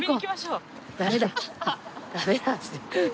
「ダメだ」っつって。